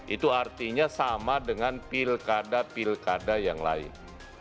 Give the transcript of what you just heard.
itu artinya sama dengan pilkada pilkada yang lain